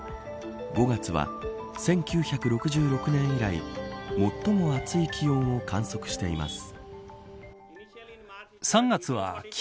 ５月は１９６６年以来最も暑い気温を観測しています。